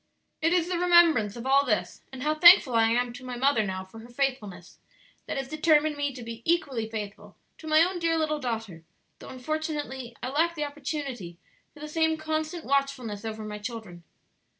"It is the remembrance of all this, and how thankful I am to my mother now for her faithfulness, that has determined me to be equally faithful to my own dear little daughter, though unfortunately I lack the opportunity for the same constant watchfulness over my children."